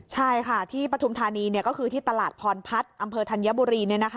ใช่ค่ะที่ปฐุมธานีก็คือที่ตลาดพรพัฒน์อำเภอธัญบุรี